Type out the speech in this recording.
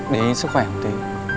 để ý sức khỏe một tí